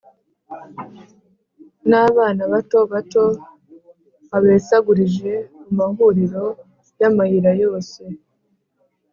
n’abana babo bato babesagurije mu mahuriro y’amayira yose